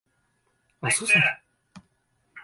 チラシにあるのにいつ行っても欠品で困った